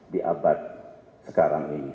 di abad sekarang ini